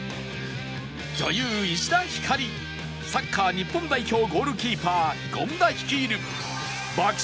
女優石田ひかりサッカー日本代表ゴールキーパー権田率いる爆食！